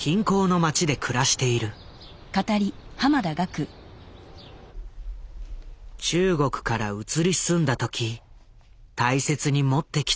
中国から移り住んだ時大切に持ってきたのが小澤の写真だ。